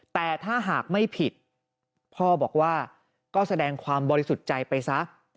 แต่ถ้าหากไม่ผิดพ่อบอกว่าก็แสดงความบริสุทธิ์ใจไปซะ